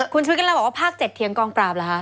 คุณชุดกันแล้วบอกว่าภาค๗เถียงกองปราบหรือฮะ